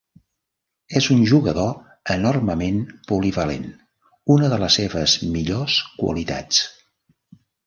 És un jugador enormement polivalent, una de les seves millors qualitats.